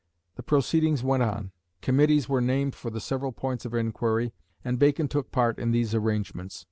The proceedings went on; Committees were named for the several points of inquiry; and Bacon took part in these arrangements.